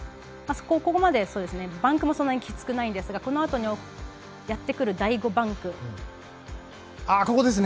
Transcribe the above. ここまではバンクもそんなにきつくないんですがこのあとにやってくる第５バンク。